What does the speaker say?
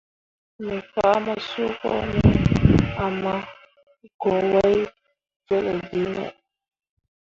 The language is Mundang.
Me fah mo suuko me ama go wai jolle ge me.